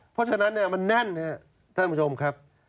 เพราะฉะนั้นเนี่ยมันแน่นนะครับ